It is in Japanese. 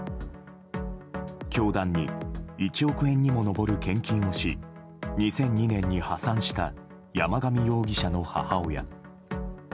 教団に１億円にも上る献金をし２００２年に破産した山上容疑者の母親。